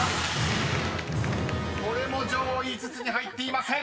［これも上位５つに入っていません］